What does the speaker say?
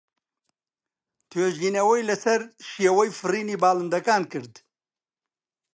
توێژینەوەی لەسەر شێوەی فڕینی باڵندەکان کرد.